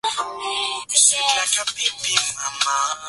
watapata nyumba inayotamaniwa Leo idadi ya watu wa